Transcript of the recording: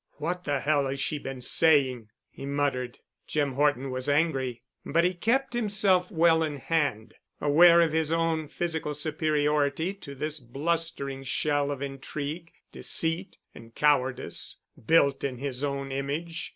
"What the Hell has she been saying?" he muttered. Jim Horton was angry, but he kept himself well in hand, aware of his own physical superiority to this blustering shell of intrigue, deceit and cowardice, built in his own image.